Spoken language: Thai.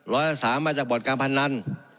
ร้อยละ๓มาจากบอดกรรมพันธ์นั้น